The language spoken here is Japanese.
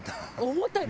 重たい。